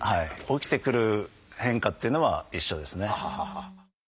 起きてくる変化っていうのは一緒ですね。